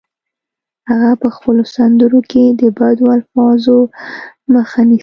هغه په خپلو سندرو کې د بدو الفاظو مخه نیسي